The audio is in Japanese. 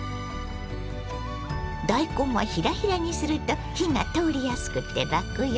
大根はひらひらにすると火が通りやすくてラクよ。